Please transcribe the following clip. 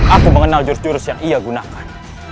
aku mengenal jurus jurus yang ia gunakan